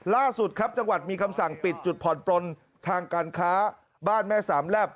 ล่าสุดครับจังหวัดมีคำสั่งปิดจุดผ่อนปลนทางการค้าบ้านแม่สามแลบ